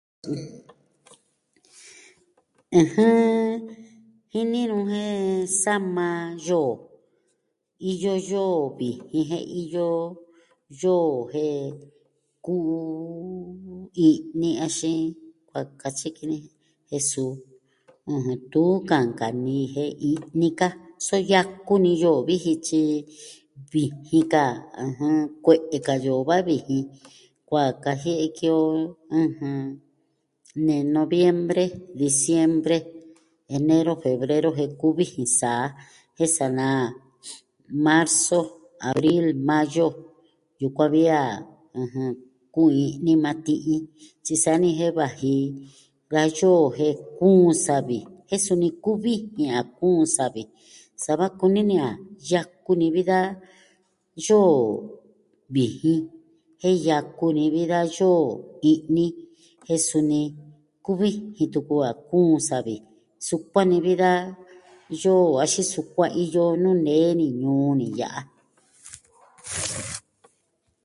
ɨjɨn. Jini nu jen sama yoo iyo yoo vijin jen iyo yoo jen i'ni axin, kua katyi ki ni, jen su, nuu tuun ka nkanii jen i'ni ka so yaku ni yoo viji tyi vijin ka, ɨjɨn, kue'e ka yoo va vijin kua kajie'e ki o, ɨjɨn, ne noviemvre, disiemvre, enero, fevrero, jen kuvijin saa jen sanaa marso, avril, mayo, yukuan vi a kui'ni maa ti'in tyi saa ni jen vaji da yoo jen kuun savi, jen suni kuvijin a kuun savi, sa va kuni ni a yaku ni vi da yoo vijin jen yaku ni vi da yoo i'ni jen suni kuvijin tuku a kuun savi, sukuan ni vi da yoo axin sukuan iyo nuu nee ni ñuu ya'a.